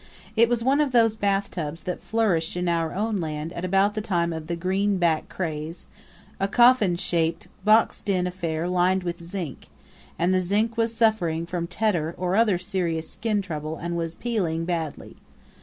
It was one of those bathtubs that flourished in our own land at about the time of the Green back craze a coffin shaped, boxed in affair lined with zinc; and the zinc was suffering from tetter or other serious skin trouble and was peeling badly.